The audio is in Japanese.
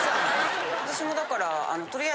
私もだから。